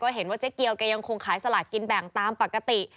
เห็นว่าเจ๊เกียวแกยังคงขายสลากกินแบ่งตามปกติ